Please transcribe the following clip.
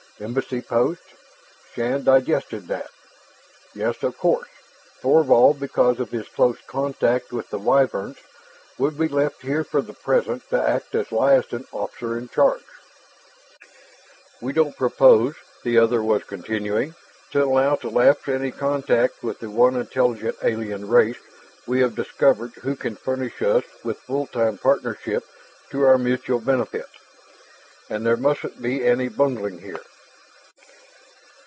Embassy post. Shann digested that. Yes, of course, Thorvald, because of his close contact with the Wyverns, would be left here for the present to act as liaison officer in charge. "We don't propose," the other was continuing, "to allow to lapse any contact with the one intelligent alien race we have discovered who can furnish us with full time partnership to our mutual benefit. And there mustn't be any bungling here!"